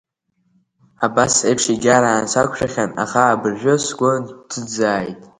Абас еиԥш егьарааны сақәшәахьан, аха абыржәы сгәы нҭӡыӡааит.